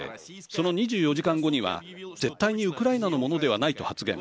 その２４時間後には絶対にウクライナのものではないと発言。